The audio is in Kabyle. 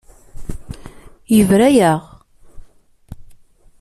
Yebra-yaɣ.